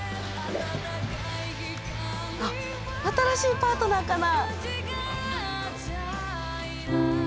あっ新しいパートナーかな？